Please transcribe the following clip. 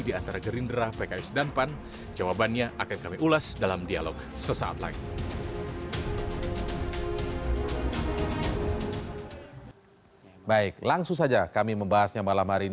di antara gerindra pks dan pan jawabannya akan kami ulas dalam dialog sesaat lagi